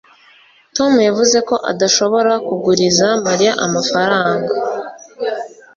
tom yavuze ko adashobora kuguriza mariya amafaranga